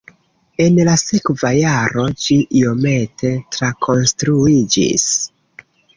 En la sekva jaro ĝi iomete trakonstruiĝis.